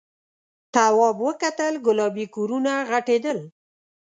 تواب وکتل گلابي کورونه غټېدل.